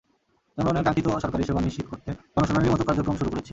জনগণের কাঙ্ক্ষিত সরকারি সেবা নিশ্চিত করতে গণশুনানির মতো কার্যক্রম শুরু করেছি।